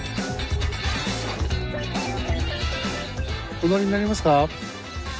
お乗りになりますか？